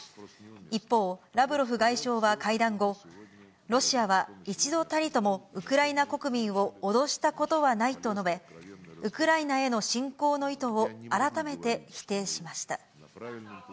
一方、ラブロフ外相は会談後、ロシアは一度たりともウクライナ国民を脅したことはないと述べ、ウクライナへの侵攻の意図を改めて否定しました。